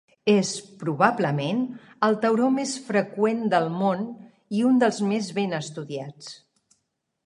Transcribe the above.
És, probablement, el tauró més freqüent del món i un dels més ben estudiats.